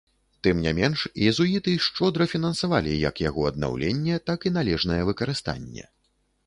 Тым не менш, езуіты шчодра фінансавалі як яго аднаўленне, так і належнае выкарыстанне.